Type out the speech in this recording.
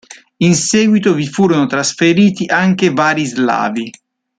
In seguito vi furono trasferiti anche vari slavi.